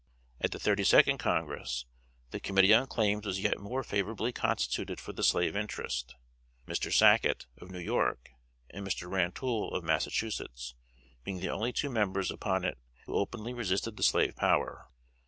At the Thirty second Congress, the committee on Claims was yet more favorably constituted for the slave interest Mr. Sacket, of New York, and Mr. Rantoul, of Massachusetts, being the only two members upon it who openly resisted the slave power.